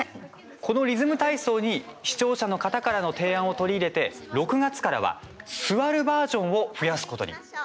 このリズム体操に視聴者の方からの提案を取り入れて６月からは座るバージョンを増やすことに。